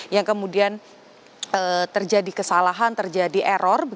yang kemudian terjadi kesalahan terjadi error